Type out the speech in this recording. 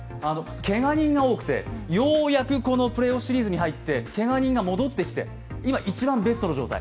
けが人が多くて、ようやくプレーオフシリーズに入ってけが人が戻ってきて今一番ベストの状態。